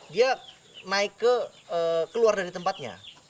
dia naik keluar dari tempatnya